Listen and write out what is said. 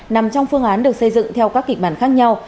nằm trong phương án được xây dựng theo các kịch bản khác nhau